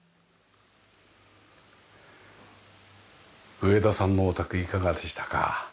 上田さんのお宅いかがでしたか？